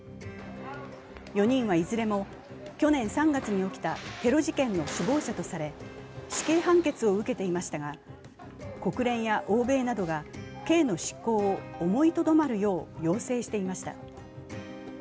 ４人はいずれも去年３月に起きたテロ事件の首謀者とされ死刑判決を受けていましたが、国連や欧米などが刑の執行を思いとどまるよう要請していました。